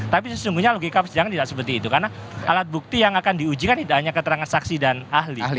tapi sesungguhnya logika persidangan tidak seperti itu karena alat bukti yang akan diuji kan tidak hanya keterangan saksi dan ahli